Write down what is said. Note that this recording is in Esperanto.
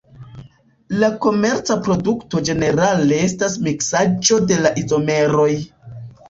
La komerca produkto ĝenerale estas miksaĵo de la izomeroj.